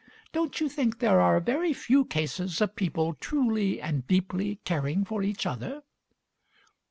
Don't you think there are very few cases of people truly and deeply caring for each other?"